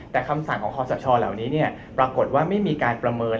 แต่คำสั่งของคอสชเหล่านี้ปรากฏว่าไม่มีการประเมิน